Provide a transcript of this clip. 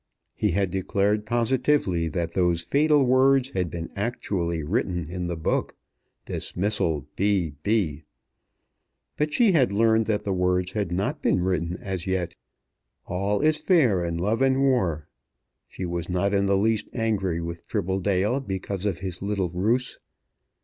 He had declared positively that those fatal words had been actually written in the book, "Dismissal B. B." But she had learned that the words had not been written as yet. All is fair in love and war. She was not in the least angry with Tribbledale because of his little ruse.